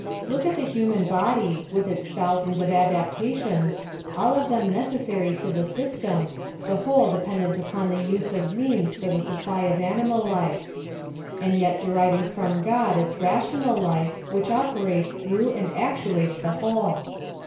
Look at the human body, with its thousands of adaptations, all of them ne cessary to the system, the whole dependant upon the use of means for the supply of animal life ; and yet deriving from God its rational life, which ope rates through and actuates the whole.